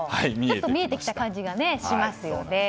見えてきた感じがしますよね。